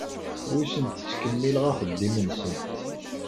Ur asent-ttkemmileɣ axeddim-nsent.